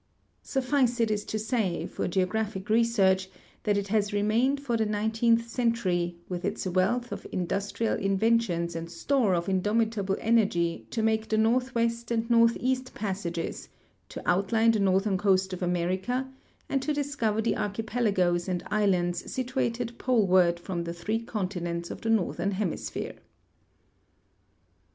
Suffice it is to say, for geographic research, that it has remained for the nineteenth century, with its wealth of industrial inven SCOPE AND VALUE OF ARCTIC EXPLORATIONS 35 tioiis and store of indomitable energy, to make the northwest and northeast passages, to outline the northern coast of America, and to discover the archipelagoes and islands situated poleward from the three continents of the northern hemisphere.